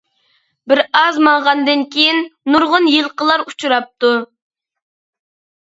بىر ئاز ماڭغاندىن كېيىن نۇرغۇن يىلقىلار ئۇچراپتۇ.